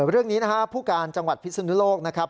เรื่องนี้นะครับผู้การจังหวัดพิศนุโลกนะครับ